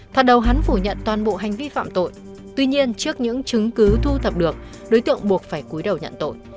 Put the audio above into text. vào đầu hắn phủ nhận toàn bộ hành vi phạm tội tuy nhiên trước những chứng cứ thu thập được đối tượng buộc phải cuối đầu nhận tội